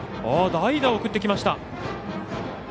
代打を送ってきました。